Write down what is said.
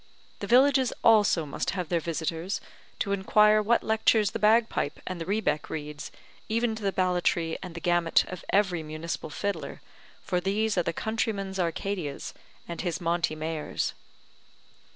The villages also must have their visitors to inquire what lectures the bagpipe and the rebeck reads, even to the ballatry and the gamut of every municipal fiddler, for these are the countryman's Arcadias, and his Monte Mayors.